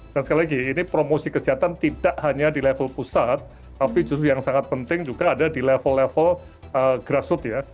dan sekali lagi ini promosi kesehatan tidak hanya di level pusat tapi justru yang sangat penting juga ada di level level grassroots ya